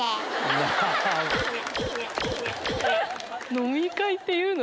飲み会って言うの？